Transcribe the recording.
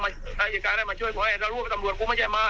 เนี่ยพวกมันมาช่วยถ้าร่วมกับตำรวจพวกมันไม่ใช่มา